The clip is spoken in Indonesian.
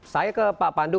saya ke pak pandu